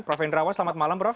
prof hendrawan selamat malam prof